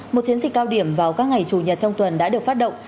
một chiến dịch cao điểm vào các ngày chủ nhật trong tuần đã được phát động